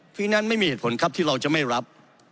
เพราะฉะนั้นไม่มีเหตุผลครับที่เราจะไม่รับ